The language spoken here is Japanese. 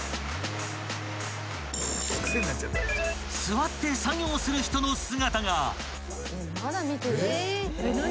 ［座って作業する人の姿が］